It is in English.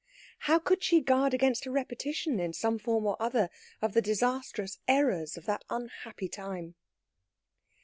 How could she guard against a repetition, in some form or other, of the disastrous errors of that unhappy time?